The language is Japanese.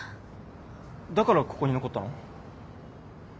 だからここに残ったの？